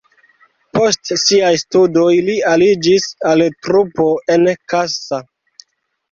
Post siaj studoj li aliĝis al trupo en Kassa.